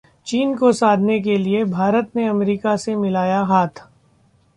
चीन को साधने के लिए भारत ने अमेरिका से मिलाया हाथ